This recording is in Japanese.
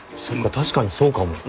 確かにそうかも。